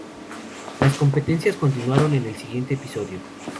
Las competencias continuaron en el siguiente episodio.